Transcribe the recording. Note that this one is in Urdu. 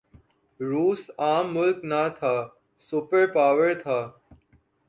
روس عام ملک نہ تھا، سپر پاور تھا۔